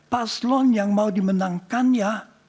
paslon yang mau dimenangkannya